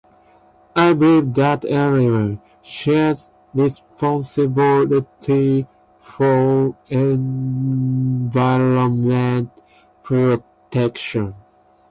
I believe that everyone shares a responsibility for environment protection.